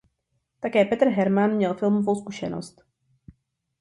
Také Petr Herrmann měl filmovou zkušenost.